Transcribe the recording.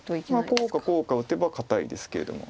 こうかこうか打てば堅いですけれども。